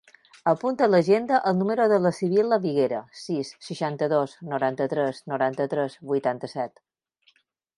Apunta a l'agenda el número de la Sibil·la Viguera: sis, seixanta-dos, noranta-tres, noranta-tres, vuitanta-set.